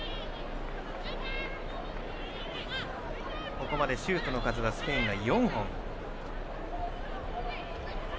ここまでシュートの数はスペインは４本です。